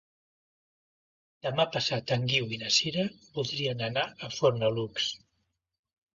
Demà passat en Guiu i na Sira voldrien anar a Fornalutx.